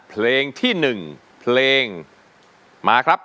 เพลงที่๑เพลงมาครับ